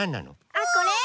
あっこれ？